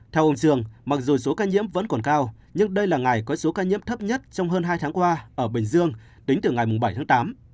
theo ông dương mặc dù số ca nhiễm vẫn còn cao nhưng đây là ngày có số ca nhiễm thấp nhất trong hơn hai tháng qua ở bình dương tính từ ngày bảy tháng tám